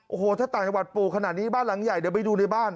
โอ้โหถ้าต่างจังหวัดปลูกขนาดนี้บ้านหลังใหญ่เดี๋ยวไปดูในบ้าน